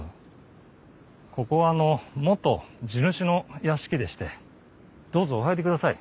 ここは元地主の屋敷でしてどうぞお入りください。